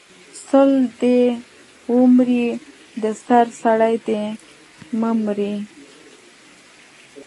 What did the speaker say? سل دی ومره د سر سړی د مه مره